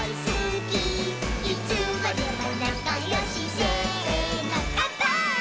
「いつまでもなかよしせーのかんぱーい！！」